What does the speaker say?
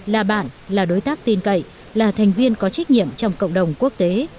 là bạn là đối tác tin cậy là thành viên có trách nhiệm trong cộng đồng quốc tế